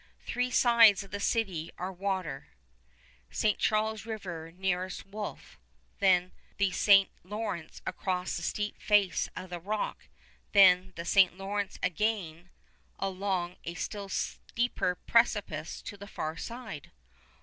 Three sides of the city are water, St. Charles River nearest Wolfe, then the St. Lawrence across the steep face of the rock, then the St. Lawrence again along a still steeper precipice to the far side.